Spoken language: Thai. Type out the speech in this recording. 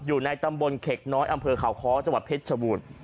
อยู่ในตำบลเข็กน้อยอำเภอข่าวค้อจังหวัดเพชรชบูรณ์